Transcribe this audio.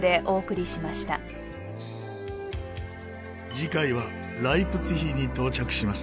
次回はライプツィヒに到着します。